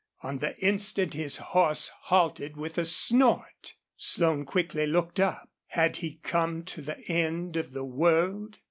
On the instant his horse halted with a snort. Slone quickly looked up. Had he come to the end of the world?